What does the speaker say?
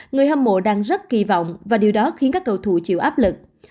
người hâm mộ đang rất kỳ vọng và điều đó khiến các cầu thủ chịu áp lực